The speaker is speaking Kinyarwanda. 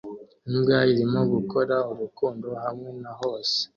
Imbwa irimo gukora urukundo hamwe na hose